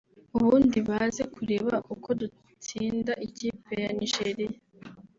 ubundi baze kureba uko dutsinda ikipe ya Nigeria